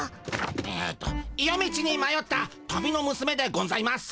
ええと夜道にまよった旅のむすめでゴンざいます。